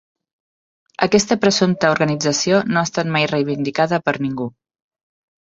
Aquesta presumpta organització no ha estat mai reivindicada per ningú.